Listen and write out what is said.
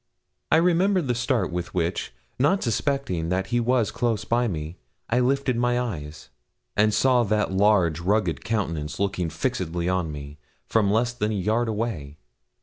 I remember the start with which, not suspecting that he was close by me, I lifted my eyes, and saw that large, rugged countenance looking fixedly on me, from less than a yard away.